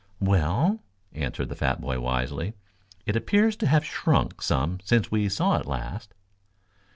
"Well," answered the fat boy wisely, "it appears to have shrunk some since we saw it last."